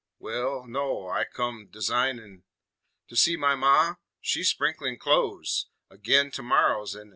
"Wal ... no ... I come dasignin' " "To see my Ma? She's sprinklin' clo'es Agin to morrer's i'nin'."